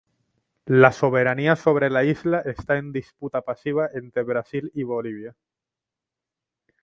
La soberanía sobre la isla está en disputa pasiva entre Brasil y Bolivia.